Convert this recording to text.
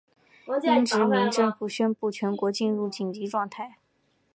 英殖民政府宣布全国进入紧急状态。